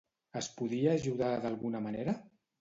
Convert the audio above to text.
Es podia ajudar d'alguna manera?